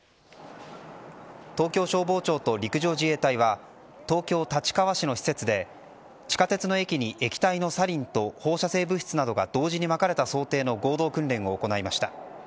東京消防庁と陸上自衛隊は東京・立川市の施設で地下鉄の駅に液体のサリンと放射性物質などが同時にまかれた想定の合同訓練を行いました。